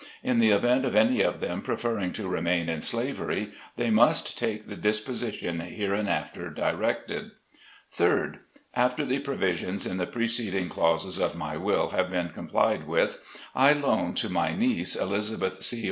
In the event of any of them preferring to remain in slavery, they must take the disposition hereinafter directed. 3d. After the provisions in the preceding clauses of my Will have been complied with, I loan to my niece, Elizabeth C.